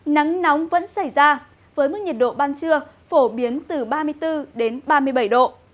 nắng nóng vẫn xảy ra với mức nhiệt độ ban trưa phổ biến từ ba mươi bốn đến ba mươi bảy độ